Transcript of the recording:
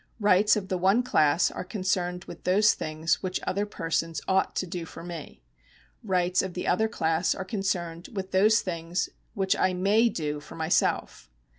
Rights of the one class are concerned with those things which other persons ouglit to do for me ; rights of the other class are concerned with those things which I may do for myself.